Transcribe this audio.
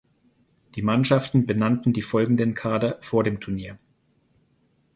Die Mannschaften benannten die folgenden Kader vor dem Turnier.